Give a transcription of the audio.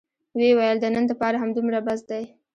ويې ويل د نن دپاره همدومره بس دى.